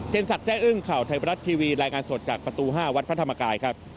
สักแซ่อึ้งข่าวไทยบรัฐทีวีรายงานสดจากประตู๕วัดพระธรรมกายครับ